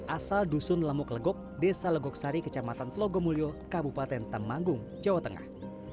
asal dusun lemuk legok desa legok sari kecamatan tlogomulyo kabupaten tamanggung jawa tengah